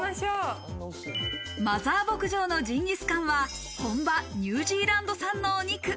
マザー牧場のジンギスカンは本場ニュージーランド産のお肉。